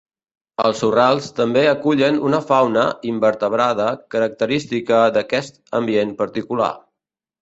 Els sorrals també acullen una fauna invertebrada característica d'aquest ambient particular.